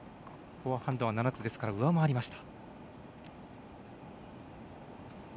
フォアハンドは７つですから上回りました。